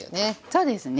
そうですね。